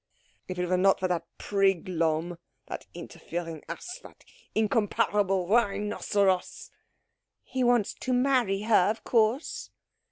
"If it were not for that prig Lohm, that interfering ass, that incomparable rhinoceros " "He wants to marry her, of course."